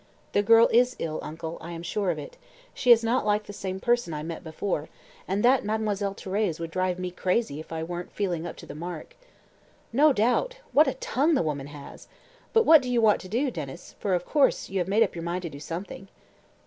"The girl is ill, uncle, I am sure of it; she is not like the same person I met before; and that Mademoiselle Thérèse would drive me crazy if I weren't feeling up to the mark." "No doubt; what a tongue the woman has! But what do you want to do, Denys, for, of course, you have made up your mind to do something?"